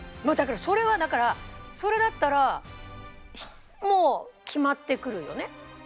まあだからそれはだからそれだったらもう決まってくるよね。